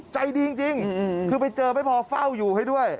ใจดีจริงคือไปเจอไม่พอเฝ้าอยู่ให้ด้วย